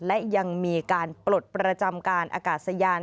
และยังมีการปลดประจำการอากาศยาน